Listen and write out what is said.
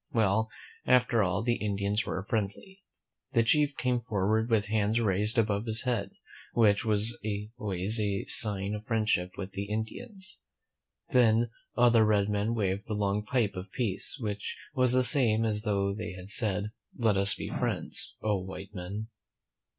Well, after all, the Indians were friendly. The chief came forward with hands raised above his head, which was always a sign of friendship with the Indians. Then other red men waved the long pipe of peace, which was the same as though they had said, "Let us be friends, oh, white men!"